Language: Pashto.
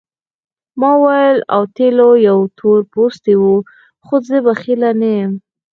ما وویل اوتیلو یو تور پوستی وو خو زه بخیل نه یم.